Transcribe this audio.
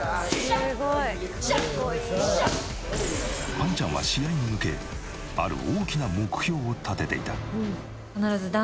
ぱんちゃんは試合に向けある大きな目標を立てていた。